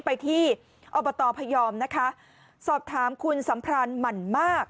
ไปที่อบตพยอมนะคะสอบถามคุณสัมพรานหมั่นมาก